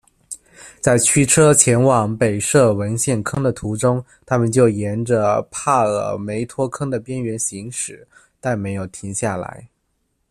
在驱车前往北射纹线坑的途中，他们就沿着帕尔梅托坑的边缘行驶，但没有停下来。